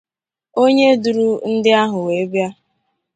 onye duru ndị ahụ wee bịa